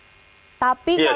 jauh dari keramaian